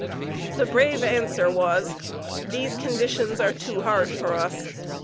The brave answer was: "These conditions are too hard for us.